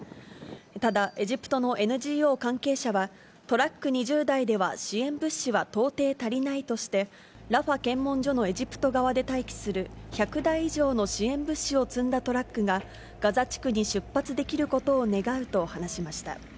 ただ、エジプトのＮＧＯ関係者は、トラック２０台では支援物資は到底足りないとして、ラファ検問所のエジプト側で待機する、１００台以上の支援物資を積んだトラックが、ガザ地区に出発できることを願うと話しました。